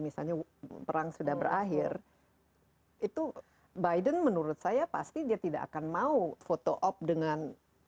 misalnya perang sudah berakhir itu biden menurut saya pasti dia tidak akan mau foto op dengan